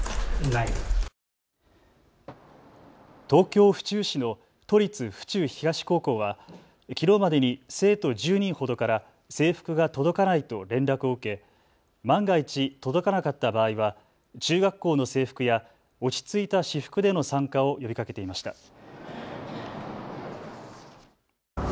東京府中市の都立府中東高校はきのうまでに生徒１０人ほどから制服が届かないと連絡を受け万が一、届かなかった場合は中学校の制服や落ち着いた私服での参加を呼びかけていました。